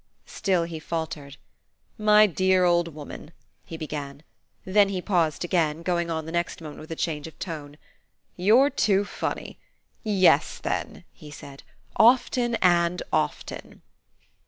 Still he faltered. "My dear old woman " he began. Then he paused again, going on the next moment with a change of tone. "You're too funny! Yes then," he said; "often and often."